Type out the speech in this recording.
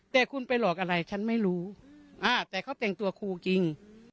แต่คุณไปหลอกอะไรฉันไม่รู้แต่เขาแต่งตัวครูจริง